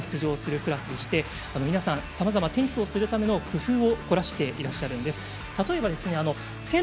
手や腕にも障害がある選手が出場するクラスでして皆さん、さまざまテニスをするための工夫を凝らしていらっしゃるんです。